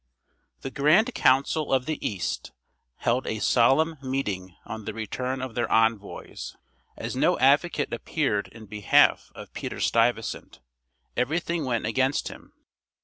The grand council of the east held a solemn meeting on the return of their envoys. As no advocate appeared in behalf of Peter Stuyvesant, everything went against him.